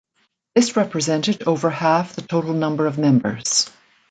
This represented over half the total number of members.